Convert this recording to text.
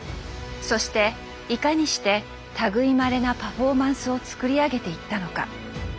そしていかにして類いまれなパフォーマンスをつくり上げていったのか。